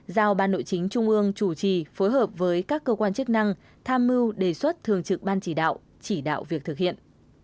giao ban nội chính trung ương chủ trì phối hợp với các cơ quan chức năng tham mưu đề xuất thường trực ban chỉ đạo chỉ đạo việc thực hiện